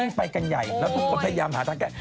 ไปกันใหญ่แล้วทุกคนพยายามหาทางแก้